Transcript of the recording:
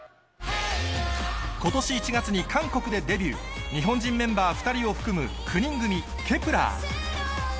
ことし１月に韓国でデビュー、日本人メンバー２人を含む９人組、ケプラー。